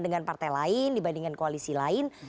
dengan partai lain dibandingkan koalisi lain